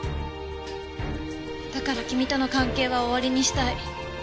だから君との関係は終わりにしたい。